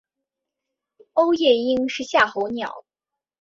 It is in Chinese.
欧夜鹰是夏候鸟。